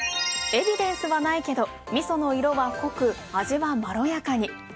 エビデンスはないけどみその色は濃く味はまろやかに。